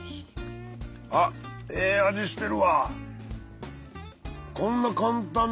あっええ味してるわ。